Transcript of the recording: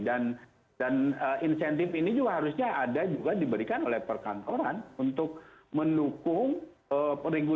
dan insentif ini juga harusnya ada juga diberikan oleh perkantoran untuk menukung regulasi yang tersebut